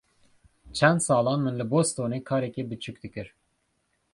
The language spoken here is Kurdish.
Çend salan min li Bostonê karekî biçûk dikir.